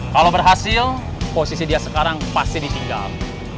kalau berhasil posisi dia sekarang pasti ditinggal